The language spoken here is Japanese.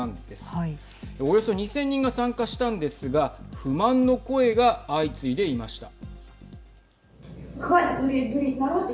およそ２０００人が参加したんですが不満の声が相次いでいました。